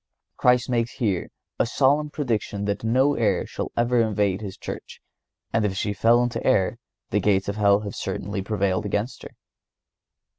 (115) Christ makes here a solemn prediction that no error shall ever invade His Church, and if she fell into error the gates of hell have certainly prevailed against her.